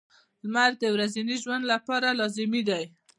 • لمر د ورځني ژوند لپاره لازمي دی.